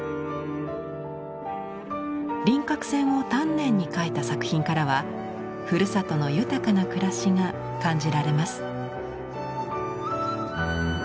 輪郭線を丹念に描いた作品からはふるさとの豊かな暮らしが感じられます。